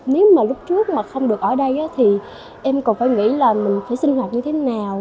nếu mà lúc trước mà không được ở đây thì em còn phải nghĩ là mình phải sinh hoạt như thế nào